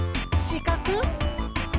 しかく！